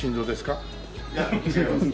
いや違います。